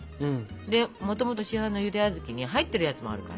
でもともと市販のゆで小豆に入っているやつもあるから。